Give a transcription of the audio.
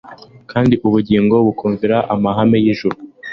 kandi ubugingo bukumvira amahame y'ijuru.